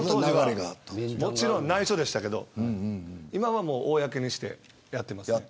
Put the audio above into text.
もちろん内緒でしたけど今は公にしてやってます。